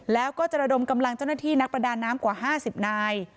แล้วก็จะระดมกำลังเจ้าหน้าที่นักประดาน้ำกว่า๕๐นาย